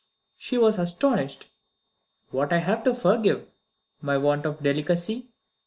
She was astonished. "What have I to forgive?" "My want of delicacy."